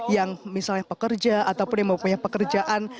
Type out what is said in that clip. yang misalnya pekerja ataupun yang mempunyai pekerjaan